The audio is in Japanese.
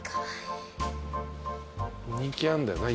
人気あんだよな